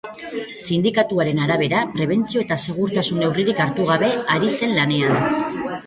Sindikatuaren arabera, prebentzio eta segurtasun neurririk hartu gabe ari zen lanean.